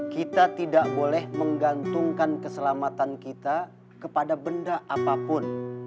kita tidak boleh menggantungkan keselamatan kita kepada benda apapun